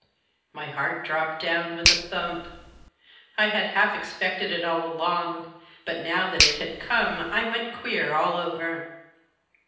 My heart dropped down with a thump. I had half expected it all along, but now that it had come I went queer all over.